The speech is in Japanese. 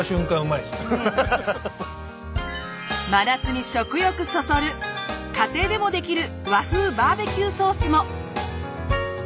真夏に食欲そそる家庭でもできる和風バーベキューソースも！